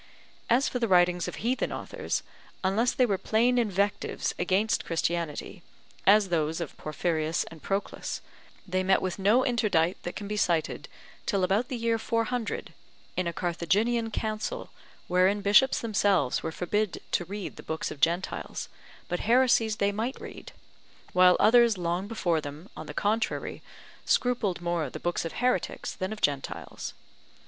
As for the writings of heathen authors, unless they were plain invectives against Christianity, as those of Porphyrius and Proclus, they met with no interdict that can be cited, till about the year 400, in a Carthaginian Council, wherein bishops themselves were forbid to read the books of Gentiles, but heresies they might read: while others long before them, on the contrary, scrupled more the books of heretics than of Gentiles.